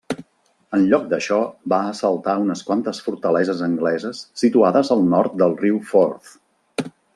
En lloc d'això, va assaltar unes quantes fortaleses angleses situades al nord del riu Forth.